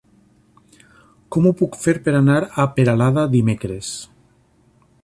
Com ho puc fer per anar a Peralada dimecres?